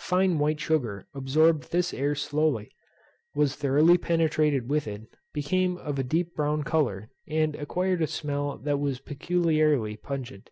Fine white sugar absorbed this air slowly, was thoroughly penetrated with it, became of a deep brown colour, and acquired a smell that was peculiarly pungent.